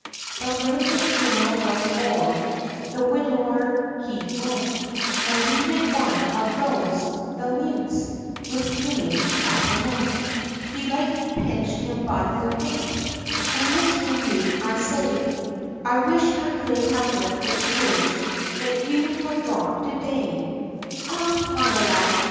But when the funeral was o'er, The widower he went And greeted one of those the mutes With feeling compliment, He lightly pinched him by the crape "O Mister Mute, I say, I wish I could have wept the tears, That you have dropped to day!" "Ah! me alack!"